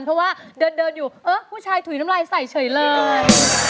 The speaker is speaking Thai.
เพราะว่าเดินอยู่เออผู้ชายถุยน้ำลายใส่เฉยเลย